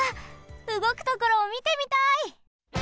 うごくところをみてみたい！